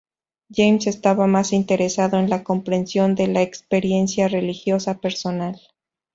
James estaba más interesado en la comprensión de la experiencia religiosa personal.